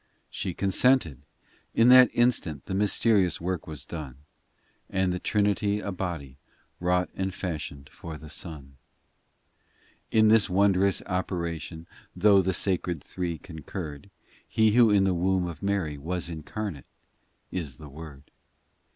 288 POEMS ii She consented : in that instant The mysterious work was done, And the Trinity a body Wrought and fashioned for the Son. in In this wondrous operation, Though the Sacred Three concurred, He who in the womb of Mary Was incarnate, is the Word.